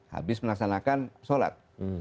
habis melaksanakan sholat